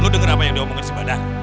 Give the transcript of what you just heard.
lu denger apa yang diomongin si badar